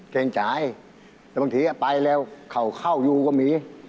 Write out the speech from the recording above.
เกรงจ่ายแต่บางทีไปแล้วเขาเข้าอยู่ก็มี